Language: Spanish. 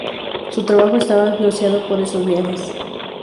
Su trabajo estaba influenciado por esos viajes.